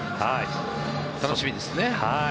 楽しみですね。